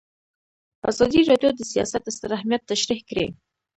ازادي راډیو د سیاست ستر اهميت تشریح کړی.